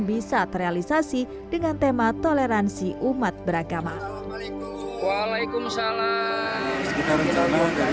bisa terrealisasi dengan tema toleransi umat beragama waalaikumsalam sekitar